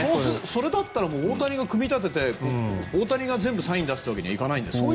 それだったら大谷が組み立てて大谷が全部サイン出すってわけにはいかないんですか。